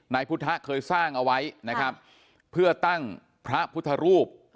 นายพุทธะเคยสร้างเอาไว้นะครับเพื่อตั้งพระพุทธรูป